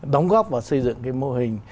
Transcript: đóng góp và xây dựng cái mô hình